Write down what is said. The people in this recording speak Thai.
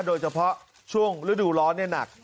โดยเฉพาะช่วงฤดูร้อนหนัก